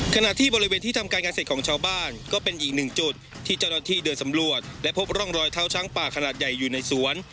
ขณะที่บริเวณที่ทำการงานเสร็จของชาวบ้านก็เป็นอีกหนึ่งจุดที่เจ้าหน้าที่เดินสำรวจและพบร่องรอยเท้าช้างป่าขนาดใหญ่อยู่ในสวน